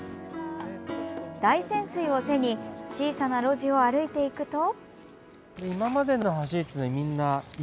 大泉水を背に小さな路地を歩いていくと。